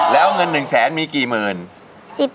แล้วเงิน๑แสนมีกี่หมื่น